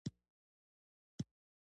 د محترم استاد د لا بریاوو په هیله